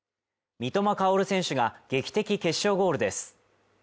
三笘薫選手が劇的決勝ゴールです